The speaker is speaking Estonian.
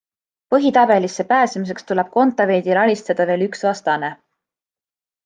Põhitabelisse pääsemiseks tuleb Kontaveidil alistada veel üks vastane.